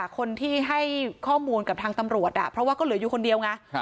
คนที่ให้ข้อมูลกับทางตำรวจเพราะว่าก็เหลืออยู่คนเดียวไง